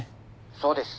そうです。